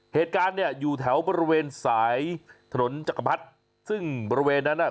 เหตุการณ์เนี่ยอยู่แถวบริเวณสายถนนจักรพรรดิซึ่งบริเวณนั้นอ่ะ